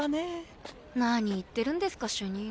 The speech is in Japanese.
何言ってるんですか主任。